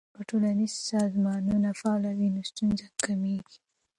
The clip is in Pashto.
که ټولنیز سازمانونه فعال وي نو ستونزې کمیږي.